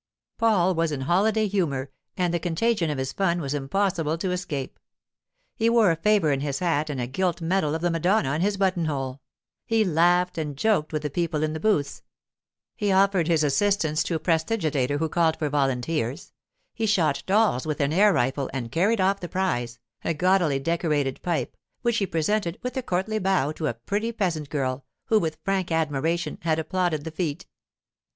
Paul was in holiday humour, and the contagion of his fun was impossible to escape. He wore a favour in his hat and a gilt medal of the Madonna in his buttonhole; he laughed and joked with the people in the booths; he offered his assistance to a prestidigitator who called for volunteers; he shot dolls with an air rifle and carried off the prize, a gaudily decorated pipe, which he presented with a courtly bow to a pretty peasant girl who, with frank admiration, had applauded the feat.